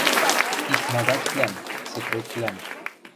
Икмагатьвлӓм – секретвлӓм.